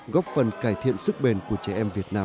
góp phần cải thiện sức bền của trẻ em việt nam